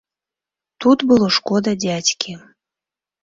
Тут было шкода дзядзькі.